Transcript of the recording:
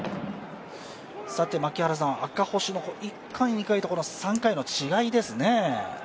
赤星の１回、２回と３回の違いですね。